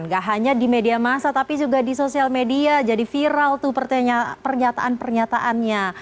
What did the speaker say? gak hanya di media masa tapi juga di sosial media jadi viral tuh pernyataan pernyataannya